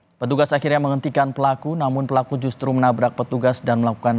hai petugas akhirnya menghentikan pelaku namun pelaku justru menabrak petugas dan melakukan